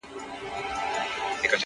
o قلم د زلفو يې د هر چا زنده گي ورانوي ـ